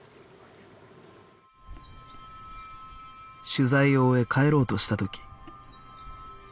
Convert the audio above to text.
取材を終え帰ろうとした時